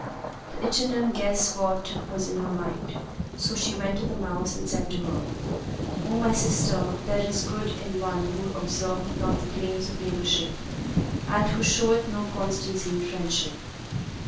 The ichneumon guess what was in her mind, so she went to the mouse and said to her, "O my sister, there is no good in one who observeth not the claims of neighborship and who showeth no constancy in friendship."